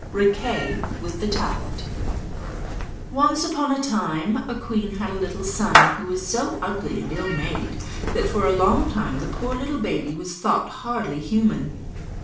RIQUET WITH THE TUFT Once upon a time a queen had a little son, who was so ugly and ill made, that for a long time the poor little baby was thought hardly human.